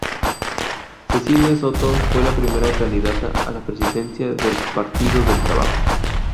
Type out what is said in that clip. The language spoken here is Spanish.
Cecilia Soto fue la primera candidata a la presidencia del Partido del Trabajo.